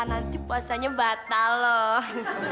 nanti puasanya batal loh